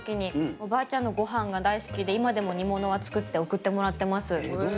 おばあちゃんのごはんが大好きで今でも煮物は作って送ってもらっています。